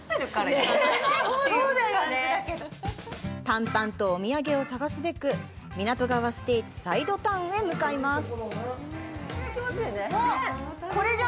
短パンとお土産を探すべく港川ステイツサイドタウンへ向かいます